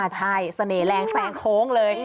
ใช่เสน่ห์แรงแซงโค้งเลย